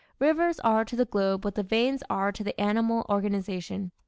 Rivers are to the globe what the veins are to the animal organization.